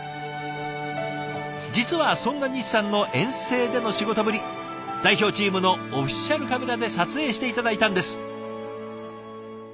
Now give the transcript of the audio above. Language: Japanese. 実はそんな西さんの遠征での仕事ぶり代表チームのオフィシャルカメラで撮影して頂いたんです。